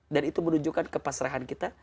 dan itu menunjukkan kepasrahan kita